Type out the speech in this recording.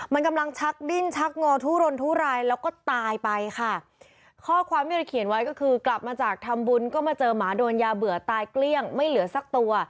มันกำลังชักดิ้นชักงอทุรนทุรายแล้วก็ตายไปค่ะข้อความที่เราเขียนไว้ก็คือกลับมาจากทำบุญก็มาเจอหมาโดนยาเบื่อตายเกลี้ยงไม่เหลือสักตัว